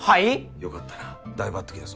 よかったな大抜擢だぞ。